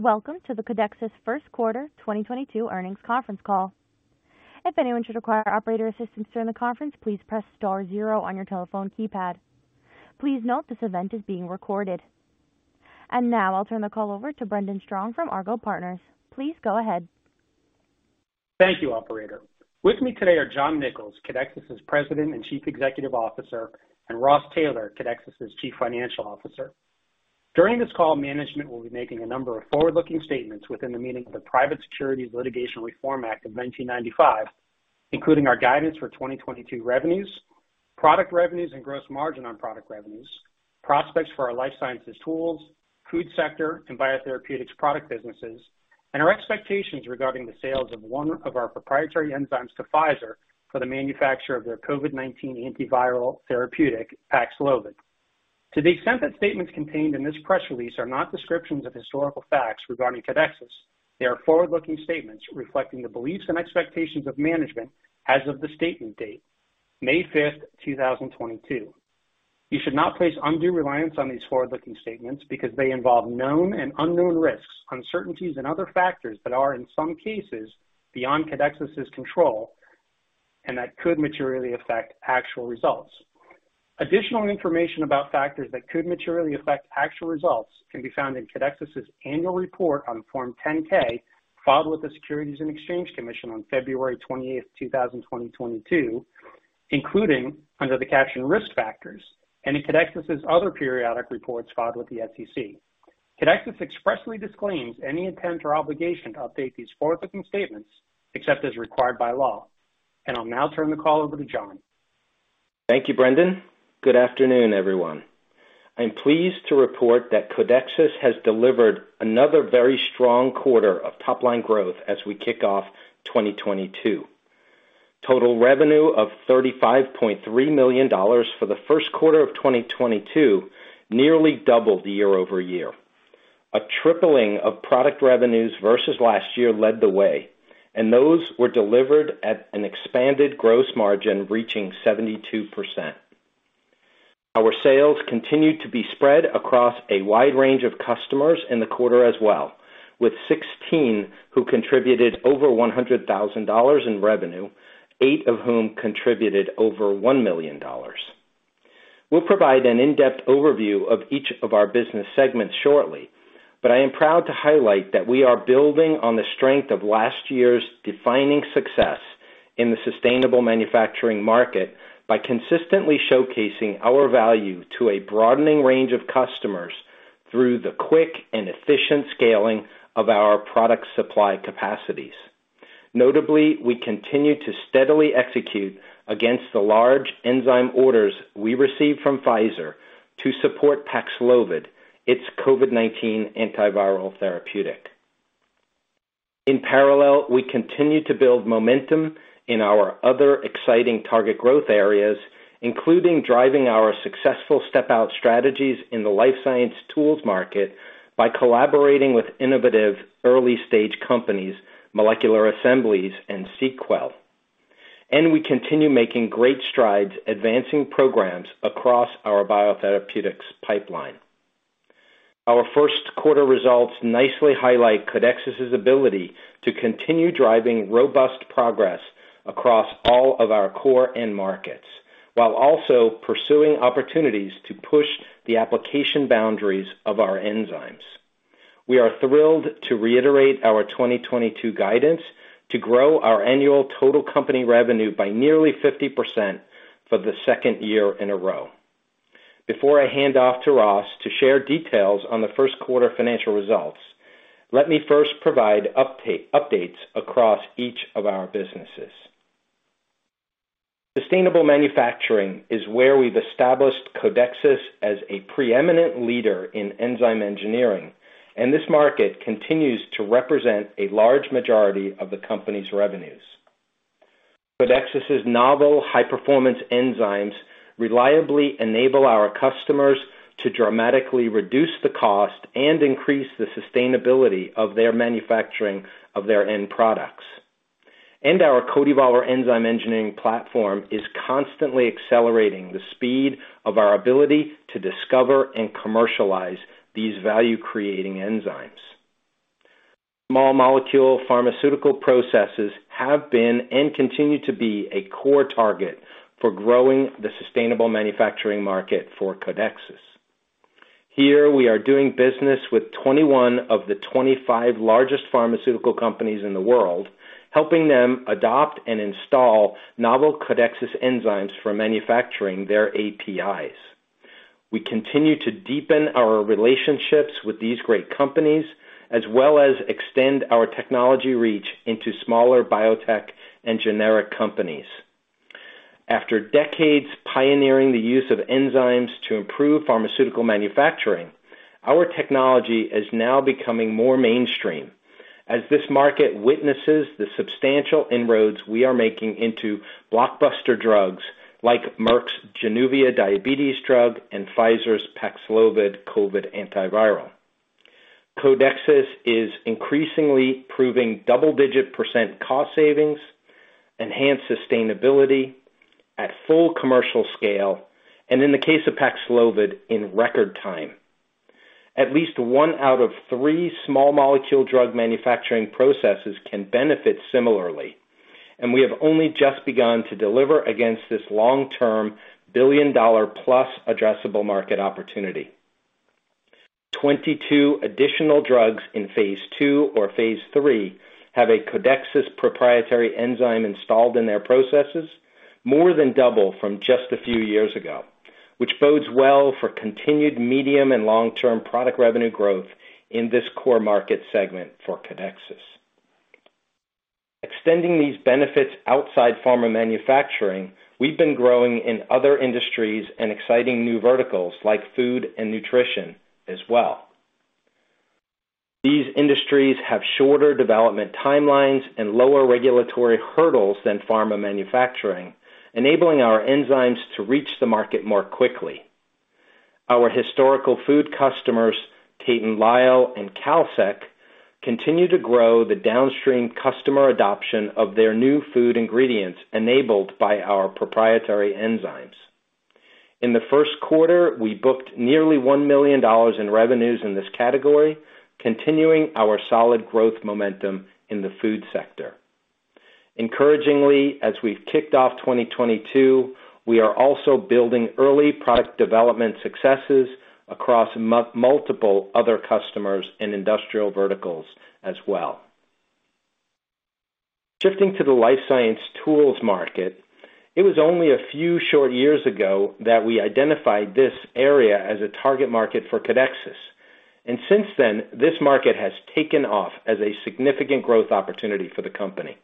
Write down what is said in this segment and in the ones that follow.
Welcome to the Codexis Q1 2022 Earnings Conference Call. If anyone should require operator assistance during the conference, please press star zero on your telephone keypad. Please note this event is being recorded. Now I'll turn the call over to Brendan Strong from Argot Partners. Please go ahead. Thank you, operator. With me today are John Nicols, Codexis's President and Chief Executive Officer, and Ross Taylor, Codexis's Chief Financial Officer. During this call, management will be making a number of forward-looking statements within the meaning of the Private Securities Litigation Reform Act of 1995, including our guidance for 2022 revenues, product revenues and gross margin on product revenues, prospects for our life sciences tools, food sector, and biotherapeutics product businesses, and our expectations regarding the sales of one of our proprietary enzymes to Pfizer for the manufacture of their COVID-19 antiviral therapeutic PAXLOVID. To the extent that statements contained in this press release are not descriptions of historical facts regarding Codexis, they are forward-looking statements reflecting the beliefs and expectations of management as of the statement date, May fifth, 2022. You should not place undue reliance on these forward-looking statements because they involve known and unknown risks, uncertainties and other factors that are, in some cases, beyond Codexis's control and that could materially affect actual results. Additional information about factors that could materially affect actual results can be found in Codexis's annual report on Form 10-K filed with the Securities and Exchange Commission on February 28, 2022, including under the caption Risk Factors, and in Codexis's other periodic reports filed with the SEC. Codexis expressly disclaims any intent or obligation to update these forward-looking statements except as required by law. I'll now turn the call over to John Nicols. Thank you, Brendan. Good afternoon, everyone. I'm pleased to report that Codexis has delivered another very strong quarter of top-line growth as we kick off 2022. Total revenue of $35.3 million for the Q1 of 2022 nearly doubled year-over-year. A tripling of product revenues versus last year led the way, and those were delivered at an expanded gross margin reaching 72%. Our sales continued to be spread across a wide range of customers in the quarter as well, with 16 who contributed over $100,000 in revenue, eight of whom contributed over $1 million. We'll provide an in-depth overview of each of our business segments shortly, but I am proud to highlight that we are building on the strength of last year's defining success in the sustainable manufacturing market by consistently showcasing our value to a broadening range of customers through the quick and efficient scaling of our product supply capacities. Notably, we continue to steadily execute against the large enzyme orders we receive from Pfizer to support PAXLOVID, its COVID-19 antiviral therapeutic. In parallel, we continue to build momentum in our other exciting target growth areas, including driving our successful step-out strategies in the life science tools market by collaborating with innovative early-stage companies, Molecular Assemblies and seqWell. We continue making great strides advancing programs across our biotherapeutics pipeline. Our Q1 results nicely highlight Codexis's ability to continue driving robust progress across all of our core end markets while also pursuing opportunities to push the application boundaries of our enzymes. We are thrilled to reiterate our 2022 guidance to grow our annual total company revenue by nearly 50% for the second year in a row. Before I hand off to Ross to share details on the Q1 financial results, let me first provide updates across each of our businesses. Sustainable manufacturing is where we've established Codexis as a preeminent leader in enzyme engineering, and this market continues to represent a large majority of the company's revenues. Codexis's novel high-performance enzymes reliably enable our customers to dramatically reduce the cost and increase the sustainability of their manufacturing of their end products. Our CodeEvolver enzyme engineering platform is constantly accelerating the speed of our ability to discover and commercialize these value-creating enzymes. Small molecule pharmaceutical processes have been and continue to be a core target for growing the sustainable manufacturing market for Codexis. Here we are doing business with 21 of the 25 largest pharmaceutical companies in the world, helping them adopt and install novel Codexis enzymes for manufacturing their APIs. We continue to deepen our relationships with these great companies as well as extend our technology reach into smaller biotech and generic companies. After decades pioneering the use of enzymes to improve pharmaceutical manufacturing, our technology is now becoming more mainstream as this market witnesses the substantial inroads we are making into blockbuster drugs like Merck's JANUVIA diabetes drug and Pfizer's PAXLOVID COVID-19 antiviral. Codexis is increasingly proving double-digit % cost savings, enhance sustainability at full commercial scale, and in the case of PAXLOVID, in record time. At least 1/3 small molecule drug manufacturing processes can benefit similarly, and we have only just begun to deliver against this long-term billion-dollar plus addressable market opportunity. 22 additional drugs in phase II or phase III have a Codexis proprietary enzyme installed in their processes, more than double from just a few years ago, which bodes well for continued medium and long-term product revenue growth in this core market segment for Codexis. Extending these benefits outside pharma manufacturing, we've been growing in other industries and exciting new verticals like food and nutrition as well. These industries have shorter development timelines and lower regulatory hurdles than pharma manufacturing, enabling our enzymes to reach the market more quickly. Our historical food customers, Tate & Lyle and Kalsec, continue to grow the downstream customer adoption of their new food ingredients enabled by our proprietary enzymes. In the Q1, we booked nearly $1 million in revenues in this category, continuing our solid growth momentum in the food sector. Encouragingly, as we've kicked off 2022, we are also building early product development successes across multiple other customers in industrial verticals as well. Shifting to the life science tools market, it was only a few short years ago that we identified this area as a target market for Codexis. Since then, this market has taken off as a significant growth opportunity for the company.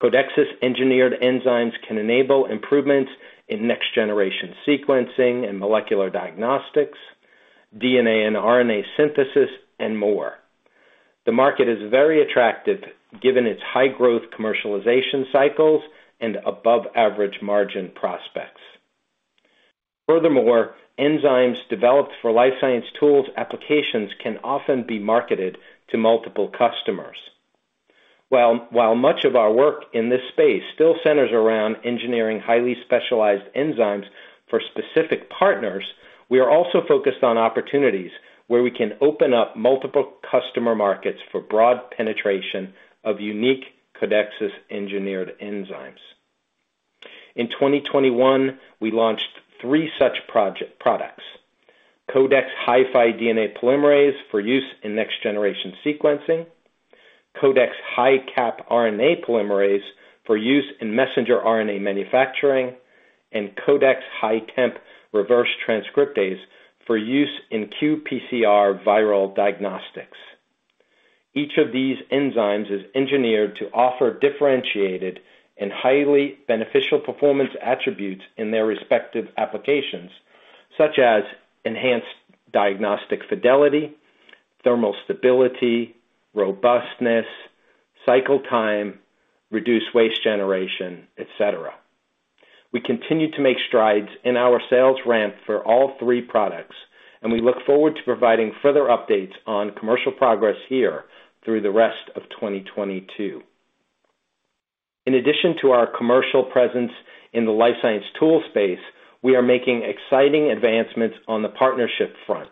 Codexis engineered enzymes can enable improvements in next generation sequencing and molecular diagnostics, DNA and RNA synthesis, and more. The market is very attractive given its high growth commercialization cycles and above average margin prospects. Furthermore, enzymes developed for life science tools applications can often be marketed to multiple customers. While much of our work in this space still centers around engineering highly specialized enzymes for specific partners, we are also focused on opportunities where we can open up multiple customer markets for broad penetration of unique Codexis engineered enzymes. In 2021, we launched three such products, Codex HiFi DNA Polymerase for use in next generation sequencing, Codex HiCap RNA Polymerase for use in messenger RNA manufacturing, and Codex HiTemp Reverse Transcriptase for use in qPCR viral diagnostics. Each of these enzymes is engineered to offer differentiated and highly beneficial performance attributes in their respective applications, such as enhanced diagnostic fidelity, thermal stability, robustness, cycle time, reduced waste generation, et cetera. We continue to make strides in our sales ramp for all three products, and we look forward to providing further updates on commercial progress here through the rest of 2022. In addition to our commercial presence in the life science tool space, we are making exciting advancements on the partnership front,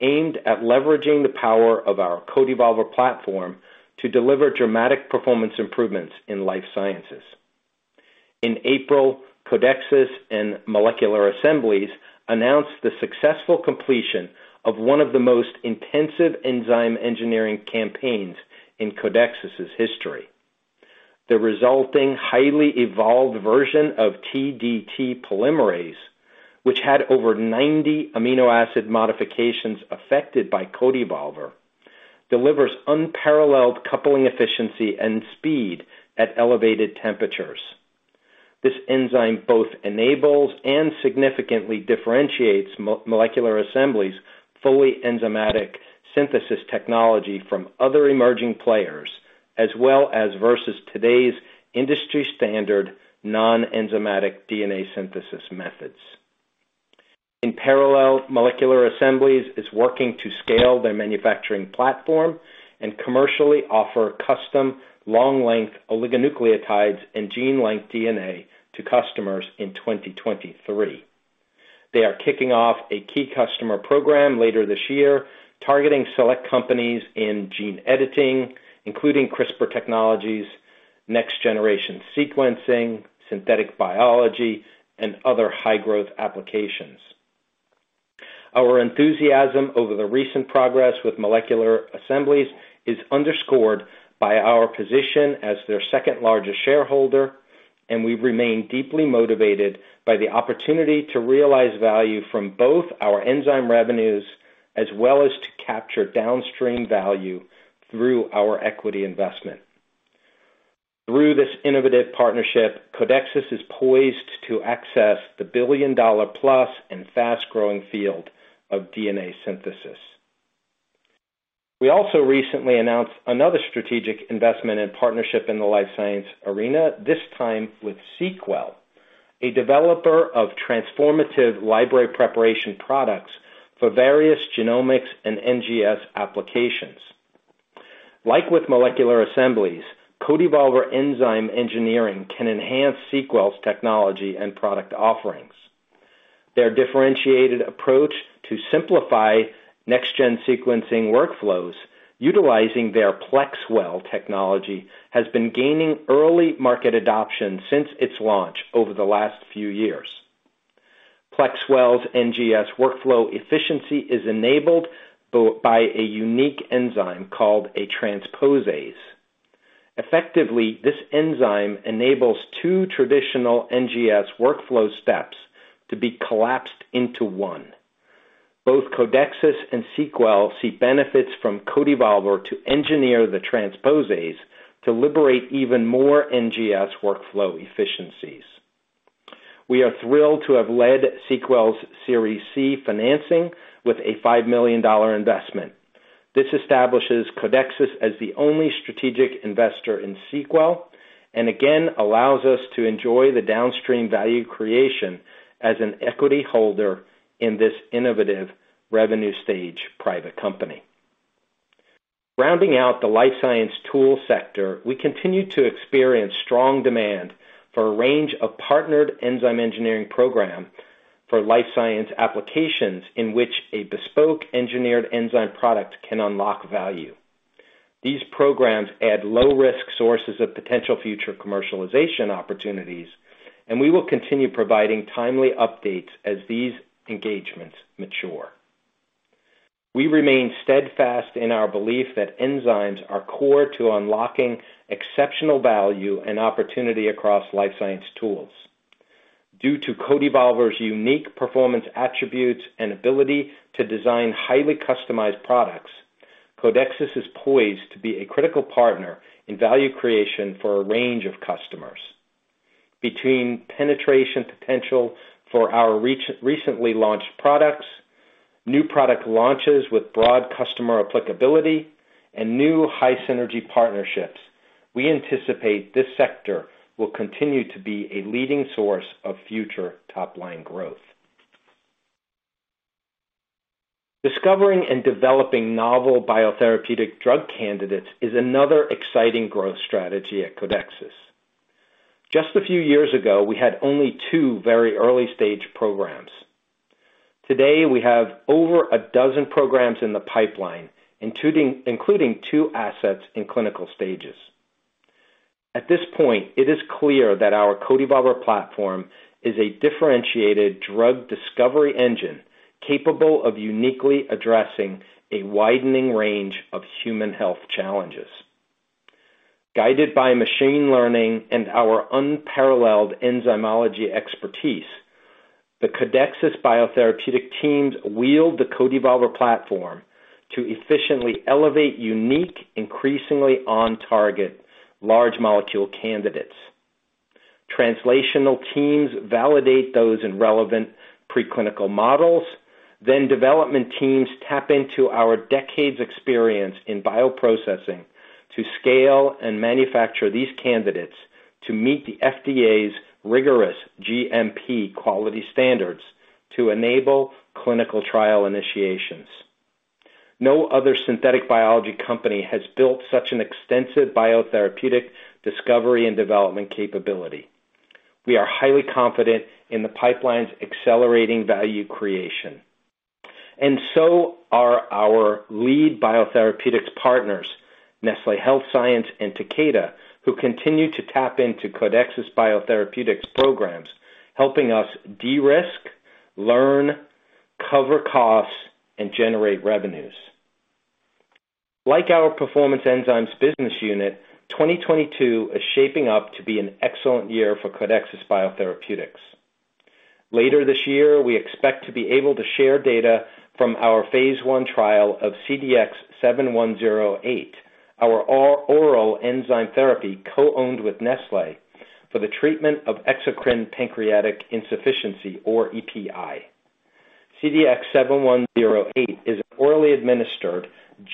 aimed at leveraging the power of our CodeEvolver platform to deliver dramatic performance improvements in life sciences. In April, Codexis and Molecular Assemblies announced the successful completion of one of the most intensive enzyme engineering campaigns in Codexis' history. The resulting highly evolved version of TdT polymerase, which had over 90 amino acid modifications affected by CodeEvolver, delivers unparalleled coupling efficiency and speed at elevated temperatures. This enzyme both enables and significantly differentiates Molecular Assemblies' fully enzymatic synthesis technology from other emerging players, as well as versus today's industry standard non-enzymatic DNA synthesis methods. In parallel, Molecular Assemblies is working to scale their manufacturing platform and commercially offer custom long length oligonucleotides and gene length DNA to customers in 2023. They are kicking off a key customer program later this year, targeting select companies in gene editing, including CRISPR technologies, next generation sequencing, synthetic biology, and other high growth applications. Our enthusiasm over the recent progress with Molecular Assemblies is underscored by our position as their second-largest shareholder, and we remain deeply motivated by the opportunity to realize value from both our enzyme revenues as well as to capture downstream value through our equity investment. Through this innovative partnership, Codexis is poised to access the billion-dollar-plus and fast-growing field of DNA synthesis. We also recently announced another strategic investment and partnership in the life science arena, this time with seqWell. A developer of transformative library preparation products for various genomics and NGS applications. Like with Molecular Assemblies, CodeEvolver enzyme engineering can enhance seqWell's technology and product offerings. Their differentiated approach to simplify next-gen sequencing workflows utilizing their plexWell technology has been gaining early market adoption since its launch over the last few years. plexWell's NGS workflow efficiency is enabled by a unique enzyme called a transposase. Effectively, this enzyme enables two traditional NGS workflow steps to be collapsed into one. Both Codexis and seqWell see benefits from CodeEvolver to engineer the transposase to liberate even more NGS workflow efficiencies. We are thrilled to have led seqWell's Series C financing with a $5 million investment. This establishes Codexis as the only strategic investor in seqWell, and again, allows us to enjoy the downstream value creation as an equity holder in this innovative revenue stage private company. Rounding out the life science tools sector, we continue to experience strong demand for a range of partnered enzyme engineering programs for life science applications in which a bespoke engineered enzyme product can unlock value. These programs add low-risk sources of potential future commercialization opportunities, and we will continue providing timely updates as these engagements mature. We remain steadfast in our belief that enzymes are core to unlocking exceptional value and opportunity across life science tools. Due to CodeEvolver's unique performance attributes and ability to design highly customized products, Codexis is poised to be a critical partner in value creation for a range of customers. Between penetration potential for our recently launched products, new product launches with broad customer applicability, and new high synergy partnerships, we anticipate this sector will continue to be a leading source of future top-line growth. Discovering and developing novel biotherapeutic drug candidates is another exciting growth strategy at Codexis. Just a few years ago, we had only two very early-stage programs. Today, we have over a dozen programs in the pipeline, including two assets in clinical stages. At this point, it is clear that our CodeEvolver platform is a differentiated drug discovery engine capable of uniquely addressing a widening range of human health challenges. Guided by machine learning and our unparalleled enzymology expertise, the Codexis biotherapeutic teams wield the CodeEvolver platform to efficiently elevate unique, increasingly on-target large molecule candidates. Translational teams validate those in relevant preclinical models, then development teams tap into our decades of experience in bioprocessing to scale and manufacture these candidates to meet the FDA's rigorous GMP quality standards to enable clinical trial initiations. No other synthetic biology company has built such an extensive biotherapeutic discovery and development capability. We are highly confident in the pipeline's accelerating value creation, and so are our lead biotherapeutics partners, Nestlé Health Science and Takeda, who continue to tap into Codexis biotherapeutics programs, helping us de-risk, learn, cover costs, and generate revenues. Like our Performance Enzymes business unit, 2022 is shaping up to be an excellent year for Codexis Biotherapeutics. Later this year, we expect to be able to share data from our phase I trial of CDX-7108, our oral enzyme therapy co-owned with Nestlé for the treatment of exocrine pancreatic insufficiency or EPI. CDX-7108 is an orally administered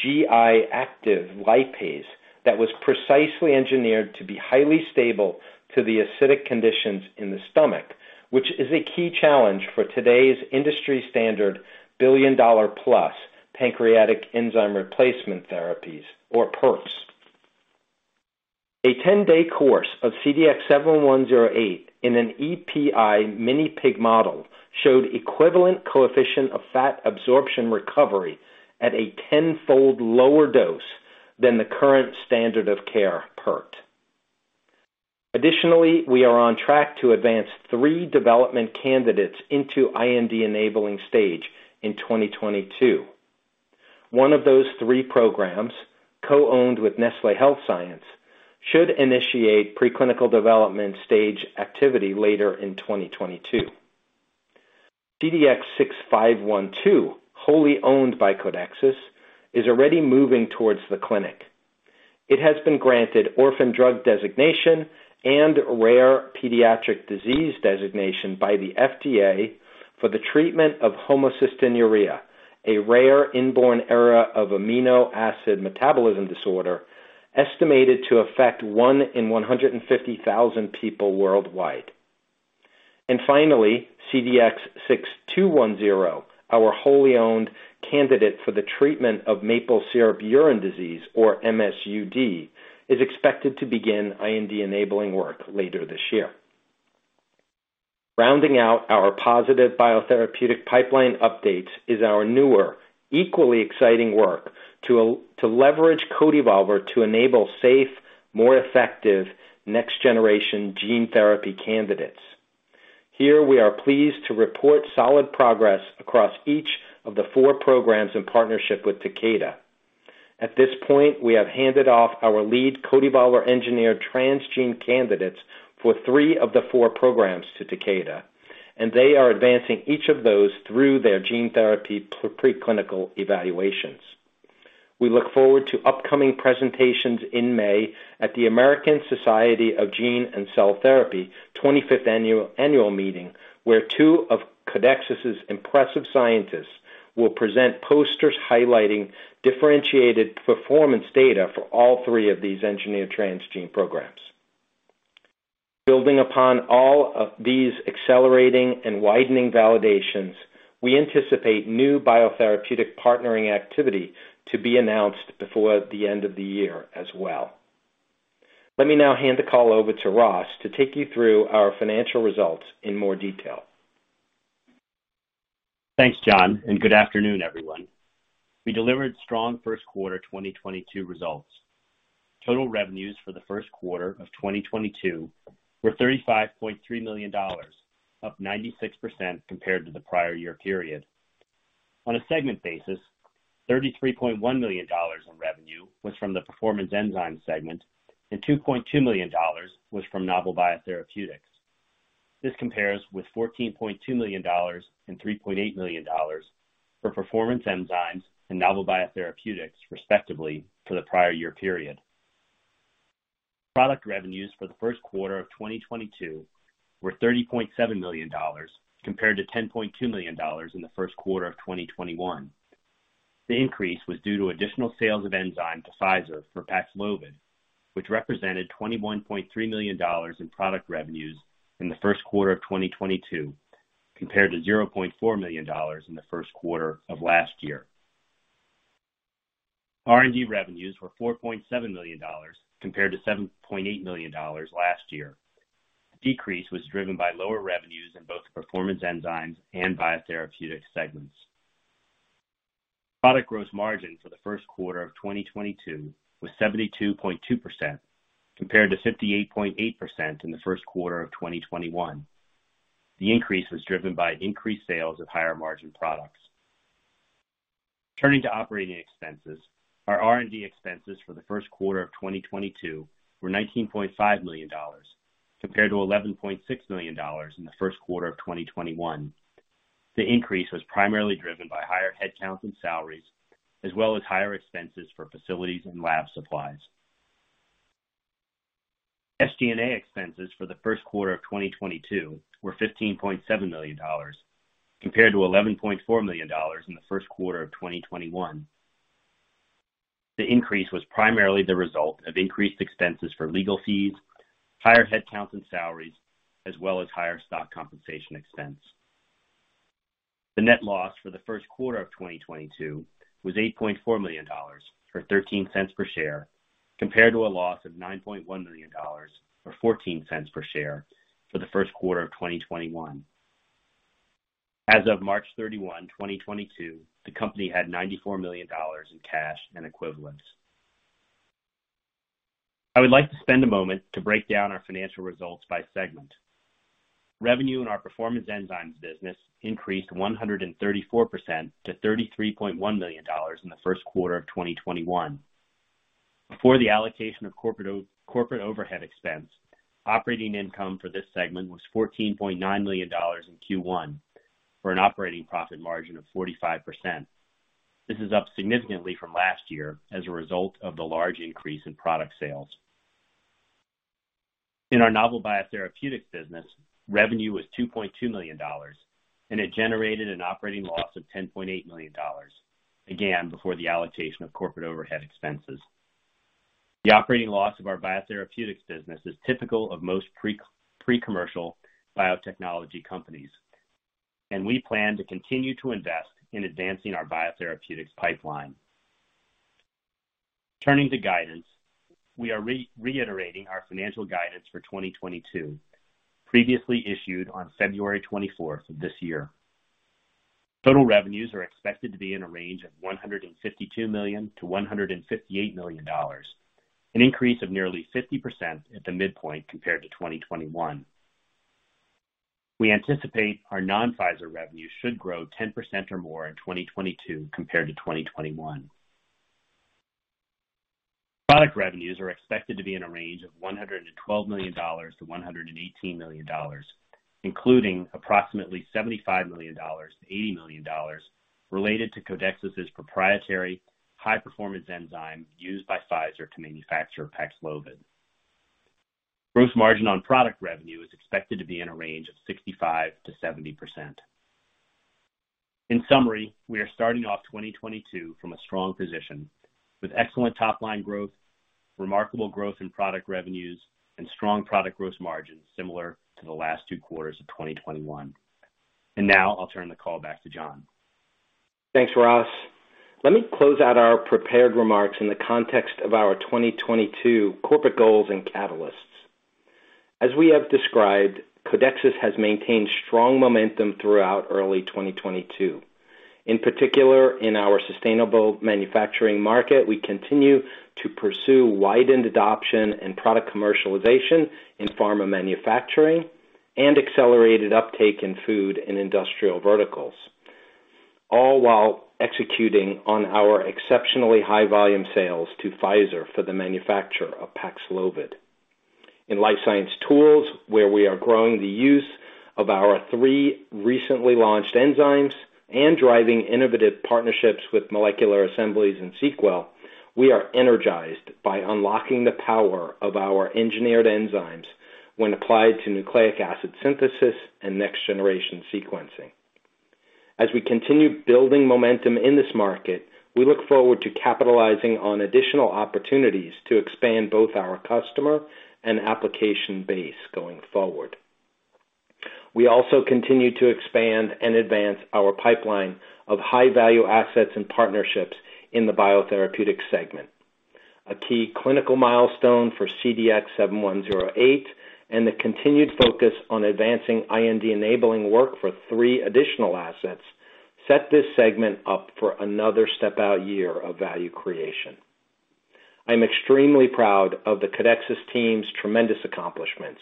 GI-active lipase that was precisely engineered to be highly stable to the acidic conditions in the stomach, which is a key challenge for today's industry standard billion-dollar plus pancreatic enzyme replacement therapies or PERTs. A 10-day course of CDX-7108 in an EPI mini pig model showed equivalent coefficient of fat absorption recovery at a tenfold lower dose than the current standard of care PERT. Additionally, we are on track to advance three development candidates into IND-enabling stage in 2022. One of those three programs, co-owned with Nestlé Health Science, should initiate preclinical development stage activity later in 2022. CDX-6512, wholly owned by Codexis, is already moving towards the clinic. It has been granted orphan drug designation and rare pediatric disease designation by the FDA for the treatment of homocystinuria, a rare inborn error of amino acid metabolism disorder. Estimated to affect one in 150,000 people worldwide. Finally, CDX-6210, our wholly owned candidate for the treatment of maple syrup urine disease or MSUD, is expected to begin IND-enabling work later this year. Rounding out our positive biotherapeutic pipeline updates is our newer, equally exciting work to leverage CodeEvolver to enable safe, more effective next-generation gene therapy candidates. Here we are pleased to report solid progress across each of the four programs in partnership with Takeda. At this point, we have handed off our lead CodeEvolver engineered transgene candidates for three of the four programs to Takeda, and they are advancing each of those through their gene therapy pre-clinical evaluations. We look forward to upcoming presentations in May at the American Society of Gene & Cell Therapy 25th annual meeting, where two of Codexis' impressive scientists will present posters highlighting differentiated performance data for all three of these engineered transgene programs. Building upon all of these accelerating and widening validations, we anticipate new biotherapeutic partnering activity to be announced before the end of the year as well. Let me now hand the call over to Ross to take you through our financial results in more detail. Thanks, John, and good afternoon, everyone. We delivered strong Q1 2022 results. Total revenues for the Q1 of 2022 were $35.3 million, up 96% compared to the prior year period. On a segment basis, $33.1 million in revenue was from the Performance Enzymes segment and $2.2 million was from Novel Biotherapeutics. This compares with $14.2 million and $3.8 million for Performance Enzymes and Novel Biotherapeutics, respectively, for the prior year period. Product revenues for the Q1 of 2022 were $30.7 million compared to $10.2 million in the Q1 of 2021. The increase was due to additional sales of enzyme to Pfizer for PAXLOVID, which represented $21.3 million in product revenues in the Q1 of 2022, compared to $0.4 million in the Q1 of last year. R&D revenues were $4.7 million compared to $7.8 million last year. The decrease was driven by lower revenues in both the Performance Enzymes and Novel Biotherapeutics segments. Product gross margin for the Q1 of 2022 was 72.2% compared to 58.8% in the Q1 of 2021. The increase was driven by increased sales of higher-margin products. Turning to operating expenses, our R&D expenses for the Q1 of 2022 were $19.5 million, compared to $11.6 million in the Q1 of 2021. The increase was primarily driven by higher headcount and salaries, as well as higher expenses for facilities and lab supplies. SG&A expenses for the Q1 of 2022 were $15.7 million, compared to $11.4 million in the Q1 of 2021. The increase was primarily the result of increased expenses for legal fees, higher headcount and salaries, as well as higher stock compensation expense. The net loss for the Q1 of 2022 was $8.4 million, or $0.13 per share, compared to a loss of $9.1 million or $0.14 per share for the Q1 of 2021. As of March 31, 2022, the company had $94 million in cash and equivalents. I would like to spend a moment to break down our financial results by segment. Revenue in our Performance Enzymes business increased 134% to $33.1 million in the Q1 of 2021. Before the allocation of corporate overhead expense, operating income for this segment was $14.9 million in Q1, for an operating profit margin of 45%. This is up significantly from last year as a result of the large increase in product sales. In our Novel Biotherapeutics business, revenue was $2.2 million, and it generated an operating loss of $10.8 million, again, before the allocation of corporate overhead expenses. The operating loss of our biotherapeutics business is typical of most pre-commercial biotechnology companies, and we plan to continue to invest in advancing our biotherapeutics pipeline. Turning to guidance, we are reiterating our financial guidance for 2022, previously issued on February 24th of this year. Total revenues are expected to be in a range of $152 million-$158 million, an increase of nearly 50% at the midpoint compared to 2021. We anticipate our non-Pfizer revenue should grow 10% or more in 2022 compared to 2021. Product revenues are expected to be in a range of $112 million-$118 million, including approximately $75 million-$80 million related to Codexis' proprietary high-performance enzyme used by Pfizer to manufacture PAXLOVID. Gross margin on product revenue is expected to be in a range of 65%-70%. In summary, we are starting off 2022 from a strong position with excellent top line growth, remarkable growth in product revenues and strong product gross margins similar to the last two quarters of 2021. Now I'll turn the call back to John. Thanks, Ross. Let me close out our prepared remarks in the context of our 2022 corporate goals and catalysts. As we have described, Codexis has maintained strong momentum throughout early 2022. In particular, in our sustainable manufacturing market, we continue to pursue widened adoption and product commercialization in pharma manufacturing and accelerated uptake in food and industrial verticals, all while executing on our exceptionally high volume sales to Pfizer for the manufacture of PAXLOVID. In life science tools, where we are growing the use of our three recently launched enzymes and driving innovative partnerships with Molecular Assemblies and seqWell, we are energized by unlocking the power of our engineered enzymes when applied to nucleic acid synthesis and next generation sequencing. As we continue building momentum in this market, we look forward to capitalizing on additional opportunities to expand both our customer and application base going forward. We also continue to expand and advance our pipeline of high value assets and partnerships in the biotherapeutic segment. A key clinical milestone for CDX-7108 and the continued focus on advancing IND enabling work for three additional assets set this segment up for another step-out year of value creation. I'm extremely proud of the Codexis team's tremendous accomplishments.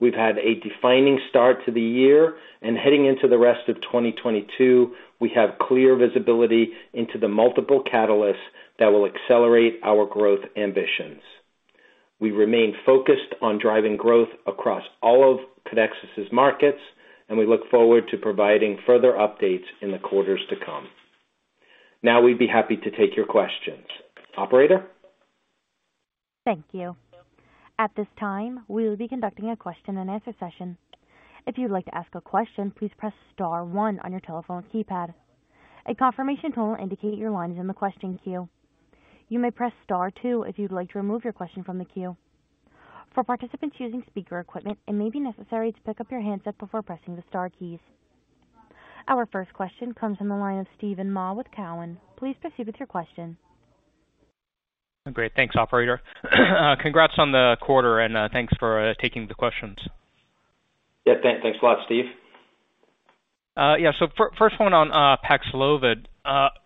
We've had a defining start to the year, and heading into the rest of 2022, we have clear visibility into the multiple catalysts that will accelerate our growth ambitions. We remain focused on driving growth across all of Codexis' markets, and we look forward to providing further updates in the quarters to come. Now we'd be happy to take your questions. Operator? Thank you. At this time, we will be conducting a question-and-answer session. If you'd like to ask a question, please press star one on your telephone keypad. A confirmation tone will indicate your line is in the question queue. You may press star two if you'd like to remove your question from the queue. For participants using speaker equipment, it may be necessary to pick up your handset before pressing the star keys. Our first question comes from the line of Steven Mah with Cowen. Please proceed with your question. Great. Thanks, operator. Congrats on the quarter, and thanks for taking the questions. Yeah, thanks a lot, Steve. Yeah, first one on PAXLOVID.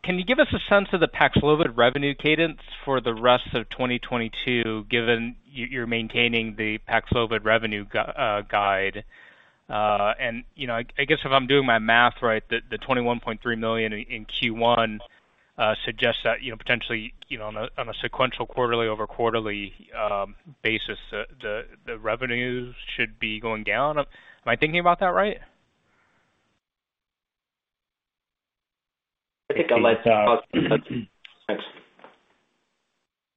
Can you give us a sense of the PAXLOVID revenue cadence for the rest of 2022, given you're maintaining the PAXLOVID revenue guide? You know, I guess if I'm doing my math right, the $21.3 million in Q1 suggests that potentially on a sequential quarter-over-quarter basis, the revenues should be going down. Am I thinking about that right? I think I might.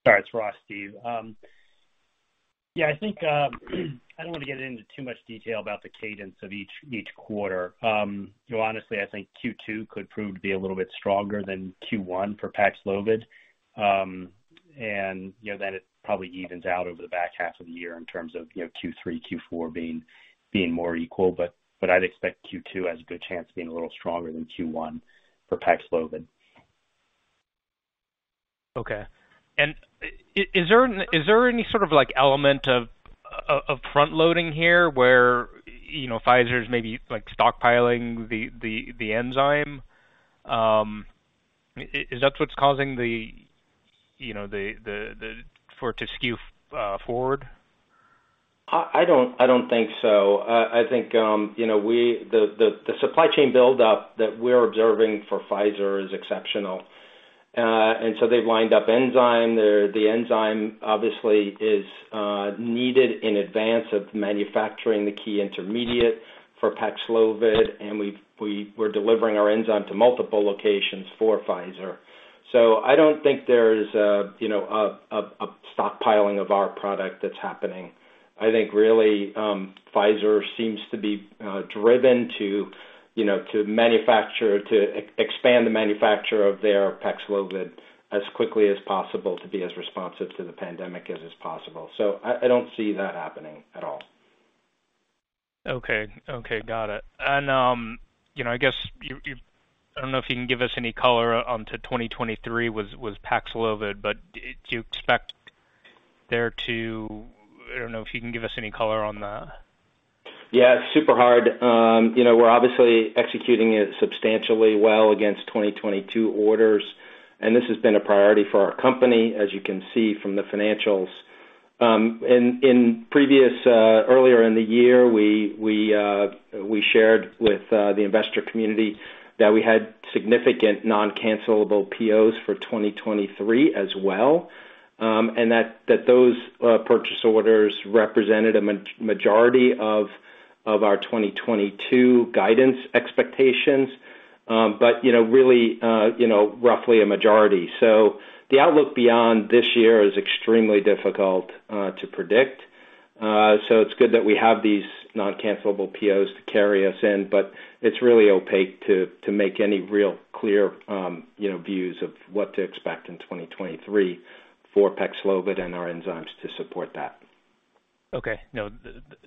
Sorry, it's Ross, Steven. Yeah, I think I don't want to get into too much detail about the cadence of each quarter. You know, honestly, I think Q2 could prove to be a little bit stronger than Q1 for PAXLOVID. You know, then it probably evens out over the back half of the year in terms of Q3, Q4 being more equal, but I'd expect Q2 has a good chance of being a little stronger than Q1 for PAXLOVID. Okay. Is there any sort of, like, element of front-loading here where, you know, Pfizer's maybe, like, stockpiling the enzyme? Is that what's causing the, you know, the forward skew? I don't think so. I think you know, the supply chain buildup that we're observing for Pfizer is exceptional. They've lined up enzyme. The enzyme obviously is needed in advance of manufacturing the key intermediate for Paxlovid, and we're delivering our enzyme to multiple locations for Pfizer. I don't think there's a you know, a stockpiling of our product that's happening. I think really, Pfizer seems to be driven to you know, to expand the manufacture of their Paxlovid as quickly as possible to be as responsive to the pandemic as is possible. I don't see that happening at all. Okay. Got it. You know, I guess you, I don't know if you can give us any color on to 2023 with PAXLOVID, but do you expect there to. I don't know if you can give us any color on that. Yeah, it's super hard. You know, we're obviously executing it substantially well against 2022 orders, and this has been a priority for our company, as you can see from the financials. Earlier in the year, we shared with the investor community that we had significant non-cancelable POs for 2023 as well, and that those purchase orders represented a majority of our 2022 guidance expectations. You know, really, you know, roughly a majority. The outlook beyond this year is extremely difficult to predict. It's good that we have these non-cancelable POs to carry us in, but it's really opaque to make any real clear views of what to expect in 2023 for PAXLOVID and our enzymes to support that. Okay. No,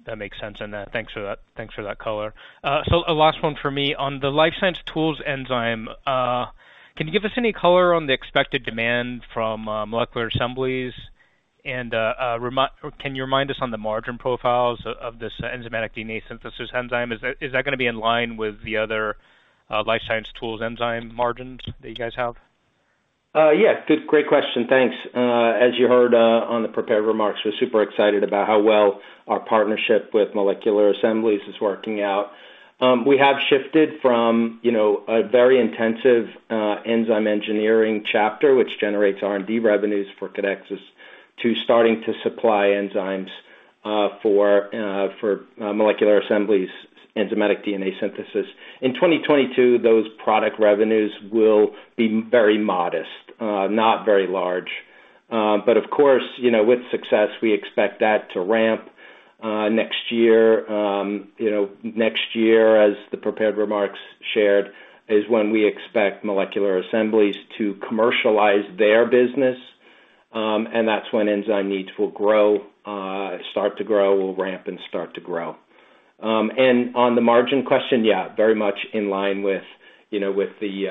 that makes sense. Thanks for that color. A last one for me. On the life science tools enzyme, can you give us any color on the expected demand from Molecular Assemblies? Can you remind us on the margin profiles of this enzymatic DNA synthesis enzyme? Is that gonna be in line with the other life science tools enzyme margins that you guys have? Yeah. Good. Great question. Thanks. As you heard, on the prepared remarks, we're super excited about how well our partnership with Molecular Assemblies is working out. We have shifted from, you know, a very intensive enzyme engineering chapter, which generates R&D revenues for Codexis, to starting to supply enzymes for Molecular Assemblies enzymatic DNA synthesis. In 2022, those product revenues will be very modest, not very large. But of course, you know, with success, we expect that to ramp next year. You know, next year, as the prepared remarks shared, is when we expect Molecular Assemblies to commercialize their business, and that's when enzyme needs will grow, start to grow, will ramp and start to grow. On the margin question, yeah, very much in line with, you know, with the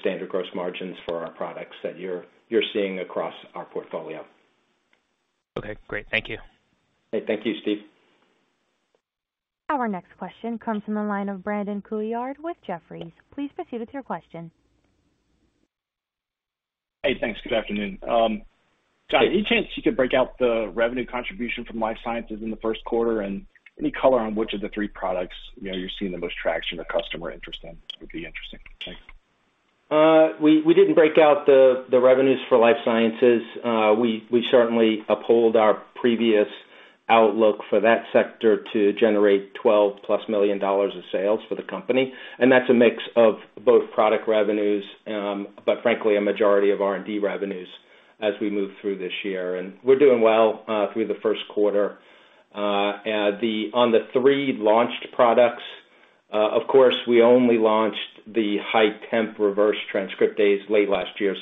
standard gross margins for our products that you're seeing across our portfolio. Okay, great. Thank you. Hey, thank you, Steven. Our next question comes from the line of Brandon Couillard with Jefferies. Please proceed with your question. Hey, thanks. Good afternoon. Any chance you could break out the revenue contribution from life sciences in the Q1? Any color on which of the three products, you know, you're seeing the most traction or customer interest in would be interesting. Thanks. We didn't break out the revenues for life sciences. We certainly uphold our previous outlook for that sector to generate $12+ million of sales for the company, and that's a mix of both product revenues, but frankly, a majority of R&D revenues as we move through this year. We're doing well through the Q1. On the three launched products, of course, we only launched the HiTemp reverse transcriptase late last year.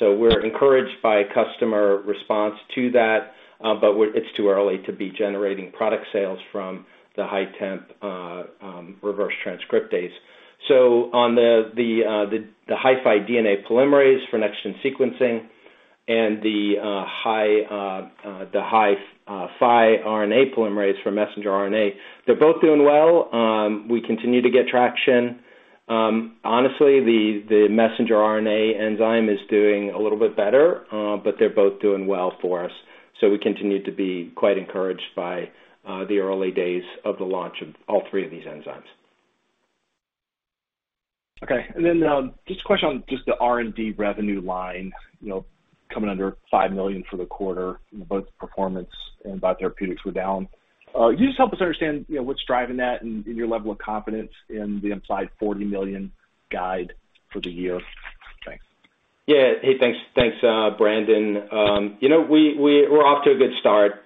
We're encouraged by customer response to that, but it's too early to be generating product sales from the HiTemp reverse transcriptase. On the HiFi DNA Polymerase for next-gen sequencing and the HiCap RNA Polymerase for messenger RNA, they're both doing well. We continue to get traction. Honestly, the messenger RNA enzyme is doing a little bit better, but they're both doing well for us. We continue to be quite encouraged by the early days of the launch of all three of these enzymes. Okay. Just a question on just the R&D revenue line, you know, coming under $5 million for the quarter, both performance and biotherapeutics were down. Can you just help us understand, you know, what's driving that and your level of confidence in the implied $40 million guide for the year? Thanks. Yeah. Hey, thanks. Thanks, Brandon. You know, we're off to a good start.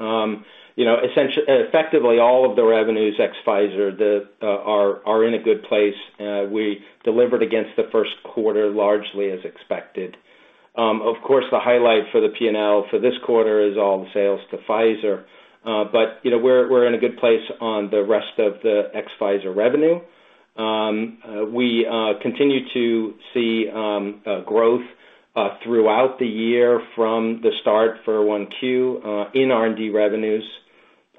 You know, effectively, all of the revenues ex Pfizer are in a good place. We delivered against the Q1 largely as expected. Of course, the highlight for the P&L for this quarter is all the sales to Pfizer. You know, we're in a good place on the rest of the ex Pfizer revenue. We continue to see growth throughout the year from the start of Q1 in R&D revenues.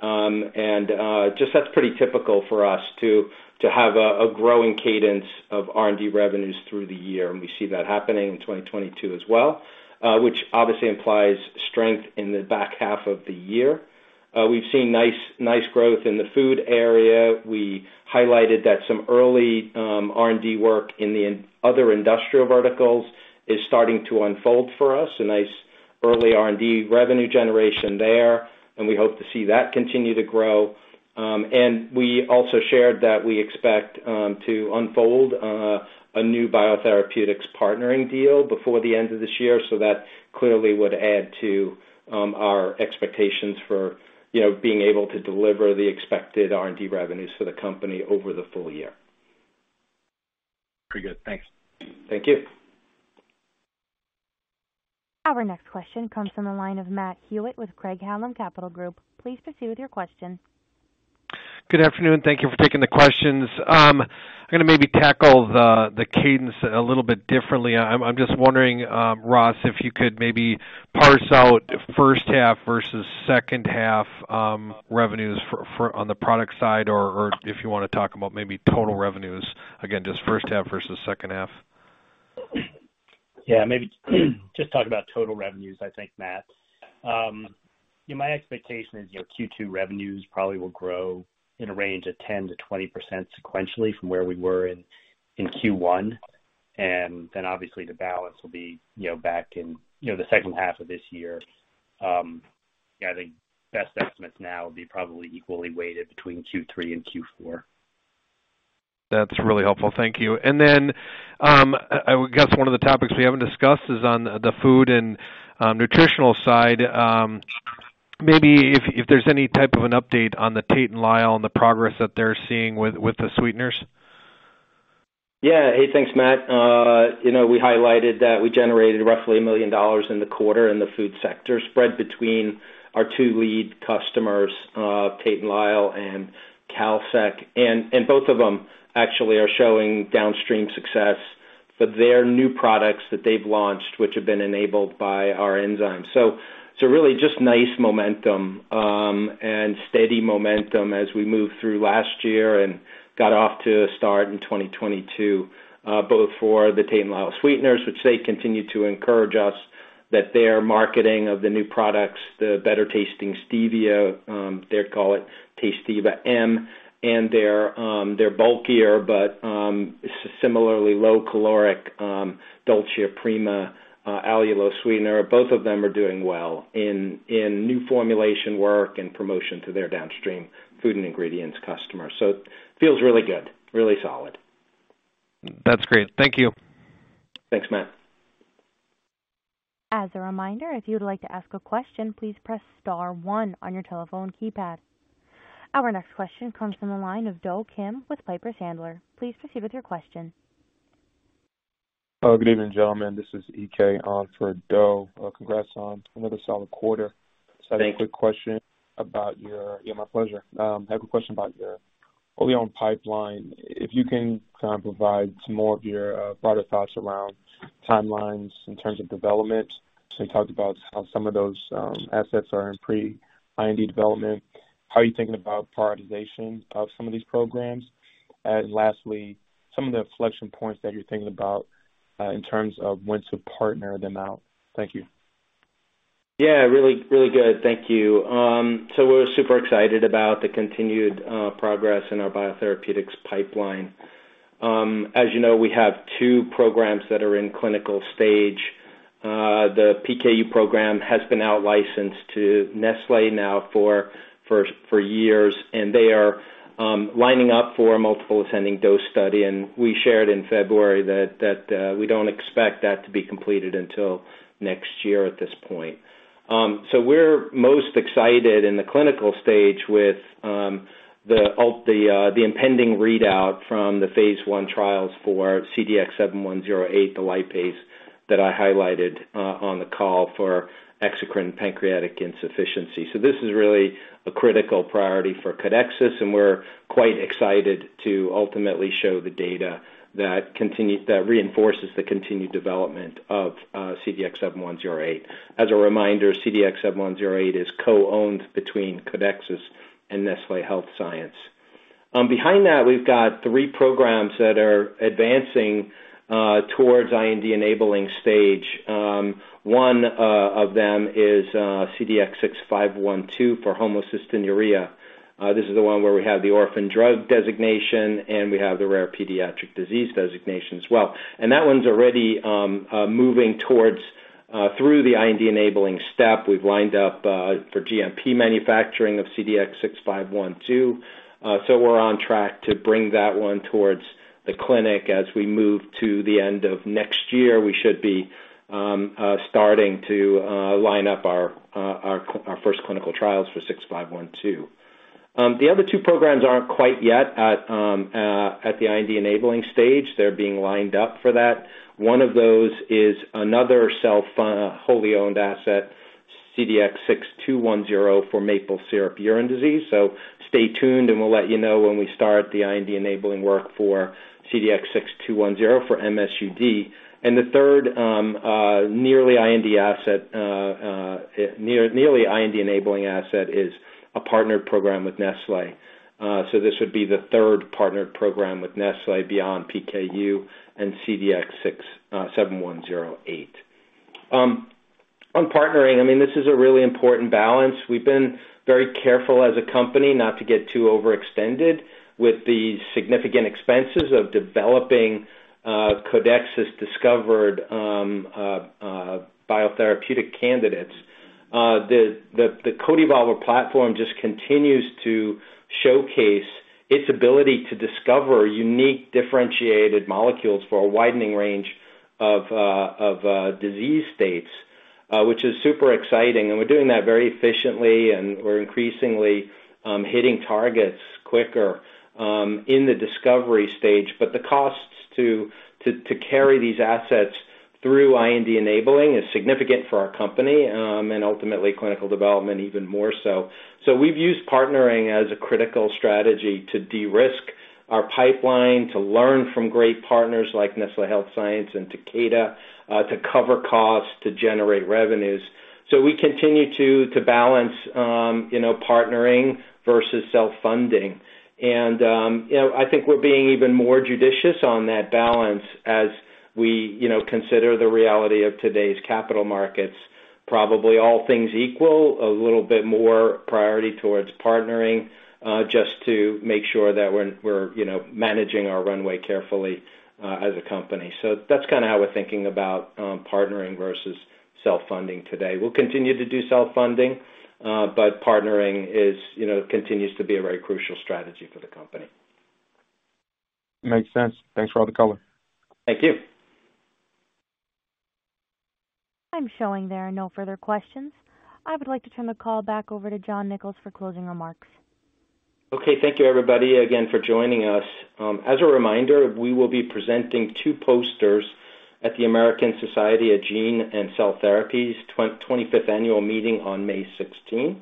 Just, that's pretty typical for us to have a growing cadence of R&D revenues through the year, and we see that happening in 2022 as well, which obviously implies strength in the back half of the year. We've seen nice growth in the food area. We highlighted that some early R&D work in the other industrial verticals is starting to unfold for us, a nice early R&D revenue generation there, and we hope to see that continue to grow. We also shared that we expect to unfold a new biotherapeutics partnering deal before the end of this year. That clearly would add to our expectations for, you know, being able to deliver the expected R&D revenues for the company over the full year. Pretty good. Thanks. Thank you. Our next question comes from the line of Matt Hewitt with Craig-Hallum Capital Group. Please proceed with your question. Good afternoon. Thank you for taking the questions. I'm gonna maybe tackle the cadence a little bit differently. I'm just wondering, Ross, if you could maybe parse out H1 versus H2 revenues on the product side or if you wanna talk about maybe total revenues, again, just H1 versus H2. Yeah. Maybe just talk about total revenues, I think, Matt. Yeah, my expectation is, you know, Q2 revenues probably will grow in a range of 10%-20% sequentially from where we were in Q1. Then obviously the balance will be, you know, back in, you know, the second half of this year. Yeah, I think best estimates now would be probably equally weighted between Q3 and Q4. That's really helpful. Thank you. I guess one of the topics we haven't discussed is on the food and nutritional side. Maybe if there's any type of an update on the Tate & Lyle and the progress that they're seeing with the sweeteners. Yeah. Hey, thanks, Matt. You know, we highlighted that we generated roughly $1 million in the quarter in the food sector, spread between our two lead customers, Tate & Lyle and Kalsec. Both of them actually are showing downstream success for their new products that they've launched, which have been enabled by our enzymes. Really just nice momentum and steady momentum as we move through last year and got off to a start in 2022, both for the Tate & Lyle sweeteners, which they continue to encourage us that their marketing of the new products, the better tasting stevia, they call it TASTEVA® M, and their bulkier but similarly low caloric, DOLCIA PRIMA®, allulose sweetener. Both of them are doing well in new formulation work and promotion to their downstream food and ingredients customers. Feels really good, really solid. That's great. Thank you. Thanks, Matt. As a reminder, if you would like to ask a question, please press star one on your telephone keypad. Our next question comes from the line of Do Kim with Piper Sandler. Please proceed with your question. Good evening, gentlemen. This is EK for Do. Congrats on another solid quarter. Thanks. Yeah, my pleasure. I have a question about your wholly owned pipeline. If you can kind of provide some more of your broader thoughts around timelines in terms of development. You talked about how some of those assets are in pre-IND development. How are you thinking about prioritization of some of these programs? And lastly, some of the inflection points that you're thinking about in terms of when to partner them out. Thank you. Yeah, really good. Thank you. We're super excited about the continued progress in our biotherapeutics pipeline. As you know, we have two programs that are in clinical stage. The PKU program has been out licensed to Nestlé now for years, and they are lining up for a multiple ascending dose study. We shared in February that we don't expect that to be completed until next year at this point. We're most excited in the clinical stage with the impending readout from the phase I trials for CDX-7108, the lipase that I highlighted on the call for exocrine pancreatic insufficiency. This is really a critical priority for Codexis, and we're quite excited to ultimately show the data that reinforces the continued development of CDX-7108. As a reminder, CDX-7108 is co-owned between Codexis and Nestlé Health Science. Behind that we've got three programs that are advancing towards IND-enabling stage. One of them is CDX-6512 for homocystinuria. This is the one where we have the orphan drug designation, and we have the rare pediatric disease designation as well. That one's already moving towards through the IND-enabling step. We've lined up for GMP manufacturing of CDX-6512. We're on track to bring that one towards the clinic. As we move to the end of next year, we should be starting to line up our first clinical trials for CDX-6512. The other two programs aren't quite yet at the IND-enabling stage. They're being lined up for that. One of those is another wholly owned asset, CDX-6210 for maple syrup urine disease. Stay tuned, and we'll let you know when we start the IND-enabling work for CDX-6210 for MSUD. The third nearly IND-enabling asset is a partnered program with Nestlé. This would be the third partnered program with Nestlé beyond PKU and CDX-7108. On partnering, I mean, this is a really important balance. We've been very careful as a company not to get too overextended with the significant expenses of developing Codexis-discovered biotherapeutic candidates. The CodeEvolver® platform just continues to showcase its ability to discover unique differentiated molecules for a widening range of disease states, which is super exciting. We're doing that very efficiently, and we're increasingly hitting targets quicker in the discovery stage. The costs to carry these assets through IND-enabling is significant for our company, and ultimately clinical development even more so. We've used partnering as a critical strategy to de-risk our pipeline, to learn from great partners like Nestlé Health Science and Takeda, to cover costs, to generate revenues. We continue to balance, you know, partnering versus self-funding. You know, I think we're being even more judicious on that balance as we, you know, consider the reality of today's capital markets. Probably all things equal, a little bit more priority towards partnering, just to make sure that we're you know, managing our runway carefully, as a company. That's kinda how we're thinking about partnering versus self-funding today. We'll continue to do self-funding, but partnering is, you know, continues to be a very crucial strategy for the company. Makes sense. Thanks for all the color. Thank you. I'm showing there are no further questions. I would like to turn the call back over to John Nicols for closing remarks. Okay. Thank you, everybody, again for joining us. As a reminder, we will be presenting two posters at the American Society of Gene & Cell Therapy's 25th Annual Meeting on May 16.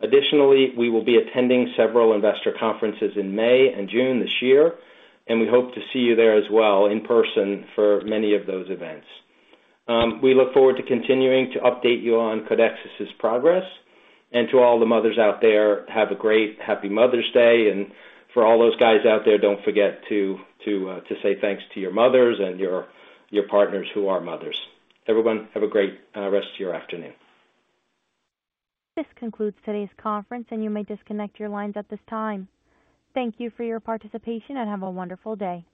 Additionally, we will be attending several investor conferences in May and June this year, and we hope to see you there as well in person for many of those events. We look forward to continuing to update you on Codexis' progress. To all the mothers out there, have a great Happy Mother's Day. For all those guys out there, don't forget to say thanks to your mothers and your partners who are mothers. Everyone, have a great rest of your afternoon. This concludes today's conference, and you may disconnect your lines at this time. Thank you for your participation, and have a wonderful day.